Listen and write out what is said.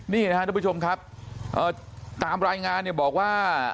นี่นะครับทุกผู้ชมครับตามรายงานเนี่ยบอกว่า